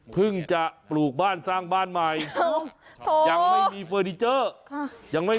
เพิ่งจะปลูกบ้านสร้างบ้านใหม่โถ่ยังไม่มีเฟอร์ดีเจอร์ค่ะ